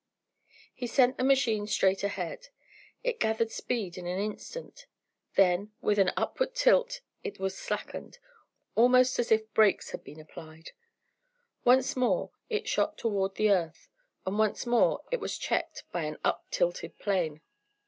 He sent the machine straight ahead. It gathered speed in an instant. Then, with an upward tilt it was slackened, almost as if brakes had been applied. Once more it shot toward the earth, and once more it was checked by an up tilted plane.